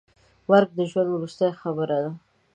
مرګ د ژوند وروستۍ خبره ده.